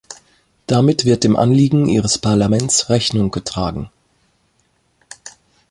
Damit wird dem Anliegen Ihres Parlaments Rechnung getragen.